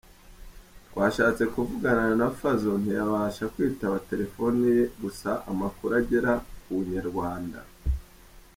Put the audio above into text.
Twashatse kuvugana na Fazzo ntiyabasha kwitaba telephone ye gusa amakuru agera ku inyarwanda.